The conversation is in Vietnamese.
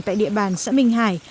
tại địa bàn xã minh hải